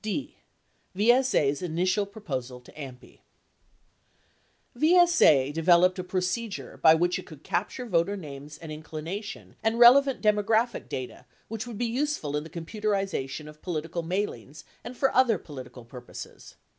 D. VSA's Initial Proposal to AMPI VSA developed a procedure by which it could capture voter names and inclination and relevant demographic data which would be useful in the computerization of political mailings and for other political purposes.